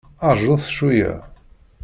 Rjut cweyya!